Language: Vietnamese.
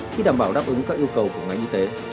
khi đảm bảo đáp ứng các yêu cầu của ngành y tế